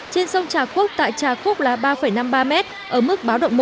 trên sông trà khúc tại trà khúc là ba năm mươi ba m ở mức báo động một